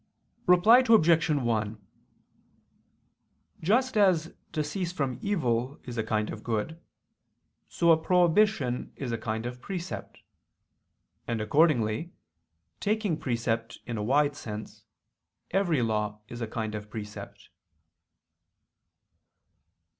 Reply Obj. 1: Just as to cease from evil is a kind of good, so a prohibition is a kind of precept: and accordingly, taking precept in a wide sense, every law is a kind of precept.